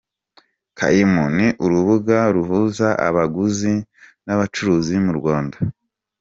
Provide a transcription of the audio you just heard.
Kaymu ni urubuga ruhuza abaguzi n’abacuruzi mu Rwanda.